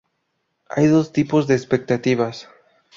Hay dos tipos de expectativas.